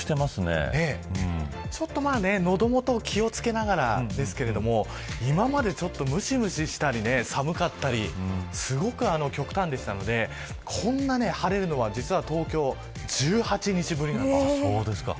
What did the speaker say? ちょっと喉元を気を付けながらですけど今まで、むしむししたり寒かったり、すごく極端でしたのでこんなに晴れるのは実は東京１８日ぶりなんです。